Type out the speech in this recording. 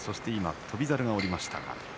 翔猿が見えました。